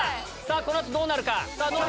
この後どうなるか？